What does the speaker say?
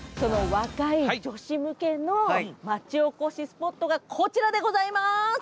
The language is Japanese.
若い女子向けの町おこしスポットがこちらでございます。